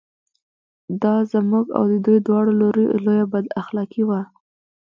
دا زموږ او د دوی دواړو لوریو لویه بد اخلاقي وه.